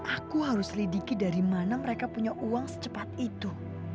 aku harus lidiki dari mana mereka punya uang secepat itu